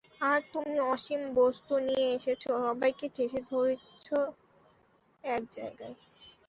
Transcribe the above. আর তুমি অসীম বস্তু নিয়ে এসেছ, সবাইকে ঠেসে ধরছে এক জায়গায়।